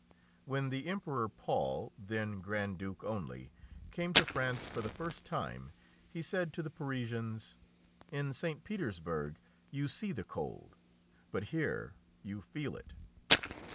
When the Emperor Paul, then Grand Duke only, came to France for the first time, he said to the Parisians: "In St. Petersburg you see the cold, but here you feel it."